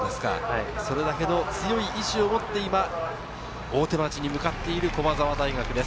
それだけの強い意志をもって大手町に向かっている駒澤大学です。